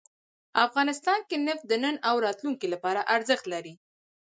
افغانستان کې نفت د نن او راتلونکي لپاره ارزښت لري.